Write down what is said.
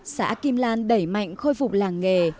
xã kim lan đẩy mạnh khôi phục làng nghề